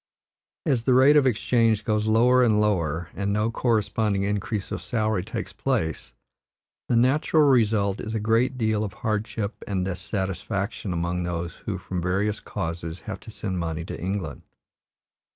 As the rate of exchange goes lower and lower, and no corresponding increase of salary takes place, the natural result is a great deal of hardship and dissatisfaction among those who, from various causes, have to send money to England.